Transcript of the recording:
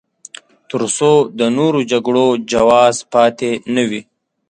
تر څو د نورو جګړو جواز پاتې نه وي.